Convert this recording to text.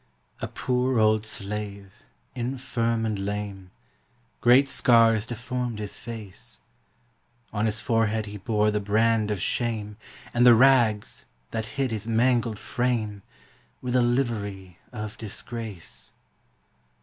A poor old slave, infirm and lame; Great scars deformed his face; On his forehead he bore the brand of shame, And the rags, that hid his mangled frame, Were the livery of disgrace.